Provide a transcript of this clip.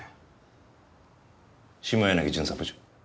下柳巡査部長。